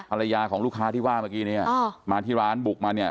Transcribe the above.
ภรรยาของลูกค้าที่ว่าเมื่อกี้เนี่ยมาที่ร้านบุกมาเนี่ย